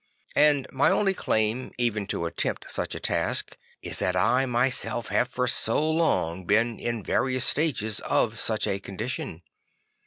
And my only claim even to attempt such a task is that I myself have for so long been in various stages of such a condition.